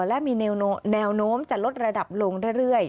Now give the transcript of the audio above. และมีแนวโน้มจะลดระดับลงเรื่อย